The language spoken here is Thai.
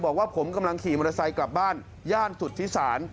บอกว่าผมกำลังขี่มนตราไส้กลับบ้านย่านสุดธิษศาน